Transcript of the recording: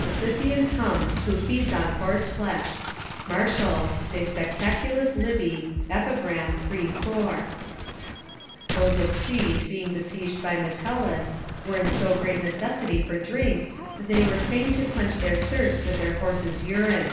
["The Scythian comes, who feeds on horse flesh" Martial, De Spectaculis Libey, Epigr. iii. 4.] Those of Crete, being besieged by Metellus, were in so great necessity for drink that they were fain to quench their thirst with their horses urine.